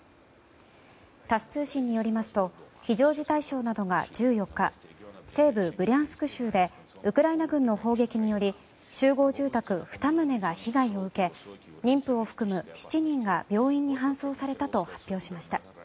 タス通信によりますと非常事態省などが１４日西部ブリャンスク州でウクライナ軍の砲撃により集合住宅２棟が被害を受け妊婦を含む７人が病院に搬送されたと発表しました。